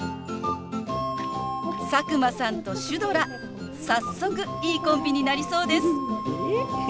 佐久間さんとシュドラ早速いいコンビになりそうです。